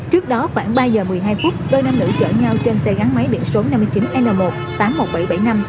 trước đó khoảng ba h một mươi hai phút đôi nam nữ chở nhau trên xe gắn máy điện số năm mươi chín n một